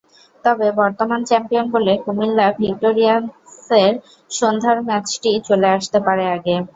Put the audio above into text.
তবে বর্তমান চ্যাম্পিয়ন বলে কুমিল্লা ভিক্টোরিয়ানসের সন্ধ্যার ম্যাচটি চলে আসতে পারে আগে।